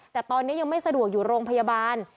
แต่ตอนนี้ยังไม่สะดวกอยู่โรงพยาบาล